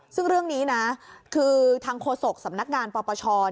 ซึ่งเรื่องนี้นะคือทางโฆษกสำนักงานปปช